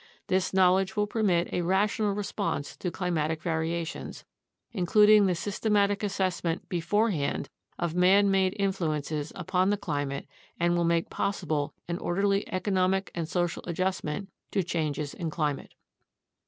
This knowledge will permit a rational response to climatic variations, including the systematic assessment beforehand of man made influences upon the climate and will make pos sible an orderly economic and social adjustment to changes in climate.